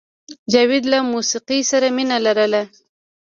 جاوید له موسیقۍ سره مینه لرله